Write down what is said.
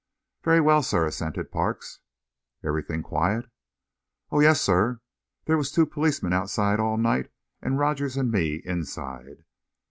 "Very well, sir," assented Parks. "Everything quiet?" "Oh, yes, sir; there was two policemen outside all night, and Rogers and me inside."